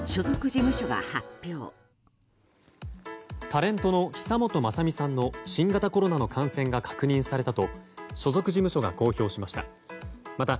タレントの久本雅美さんの新型コロナの感染が確認されたと所属事務所が公表しました。